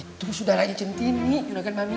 itu sudara incantini sudah kan mami